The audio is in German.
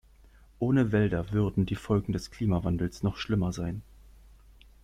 Ohne Wälder würden die Folgen des Klimawandels noch schlimmer sein.